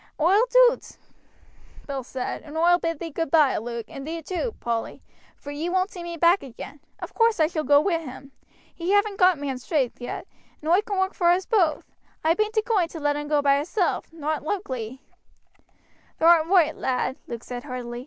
"Oi'll do't," Bill said, "and oi'll bid thee goodby, Luke, and thee too, Polly, for ye won't see me back agin. Of course I shall go wi' him. He haven't got man's strength yet, and oi can work for us both. I bain't a going to let him go by hisself, not loikely." "Thou art roight, lad," Luke said heartily.